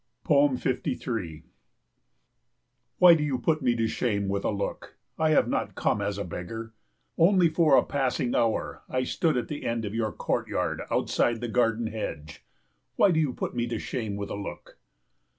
53 Why do you put me to shame with a look? I have not come as a beggar. Only for a passing hour I stood at the end of your courtyard outside the garden hedge. Why do you put me to shame with a look?